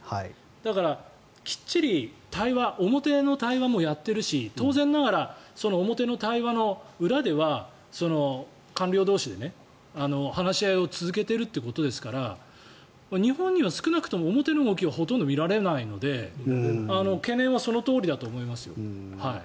だから、きっちり対話表の対話もやっているし当然ながら表の対話の裏では官僚同士で話し合いを続けているということですから日本には少なくとも表の動きがほとんど見られないので懸念はそのとおりだと思いますよ。